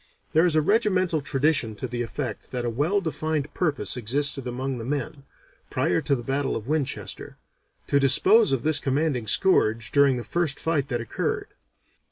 There is a regimental tradition to the effect that a well defined purpose existed among the men, prior to the battle of Winchester, to dispose of this commanding scourge during the first fight that occurred.